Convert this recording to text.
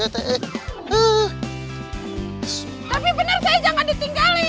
tapi bener saya jangan ditinggalin